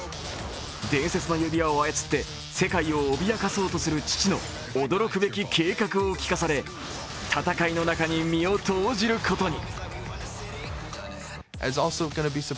伝説の指輪を操って世界を脅かそうとする父の驚くべき計画を聞かされ、戦いの中に身を投じることに。